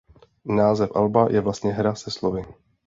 Název alba je vlastně hra se slovy.